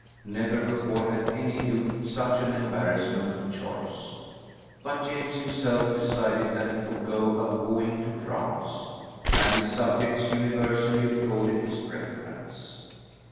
Never before had any youth such an embarrassment of choice, but James himself decided that he would go a wooing to France, and his subjects universally applauded his preference.